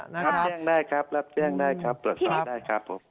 ครับแจ้งได้ครับรับแจ้งได้ครับตรวจสอบได้ครับผม